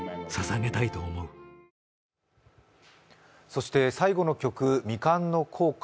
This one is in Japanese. そして最後の曲、未完の校歌